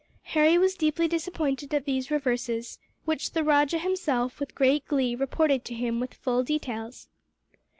Harry was deeply disappointed at these reverses, which the rajah himself, with great glee, reported to him with full details.